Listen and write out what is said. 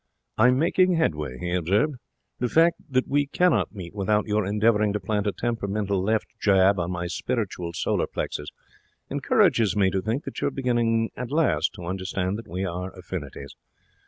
'I am making headway,' he observed. 'The fact that we cannot meet without your endeavouring to plant a temperamental left jab on my spiritual solar plexus encourages me to think that you are beginning at last to understand that we are affinities.